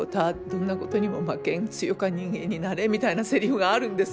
どんなことにも負けん強か人間になれ」みたいなせりふがあるんですよ。